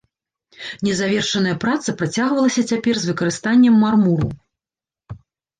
Незавершаная праца працягвалася цяпер з выкарыстаннем мармуру.